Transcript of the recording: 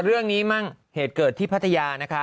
เรื่องนี้มั่งเหตุเกิดที่พัทยานะคะ